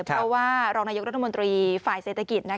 เพราะว่ารองนายกรัฐมนตรีฝ่ายเศรษฐกิจ